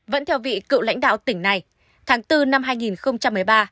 vẫn theo vị cựu lãnh đạo tỉnh này tháng bốn năm hai nghìn một mươi ba